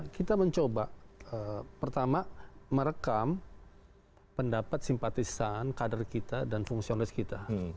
kita mencoba pertama merekam pendapat simpatisan kader kita dan fungsionalis kita